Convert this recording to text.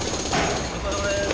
お疲れさまです。